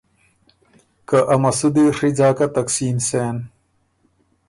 که ا مسُودی ڒی ځاکه تقسیم سېن۔